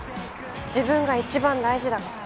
自分が一番大事だから。